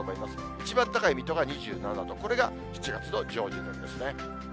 一番高い水戸が２７度、これが７月の上旬になりますね。